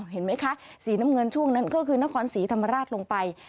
เห็นไหมคะสีน้ำเงินช่วงนั้นก็คือนครศรีธรรมราชลงไป